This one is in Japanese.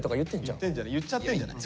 言っちゃってんじゃない？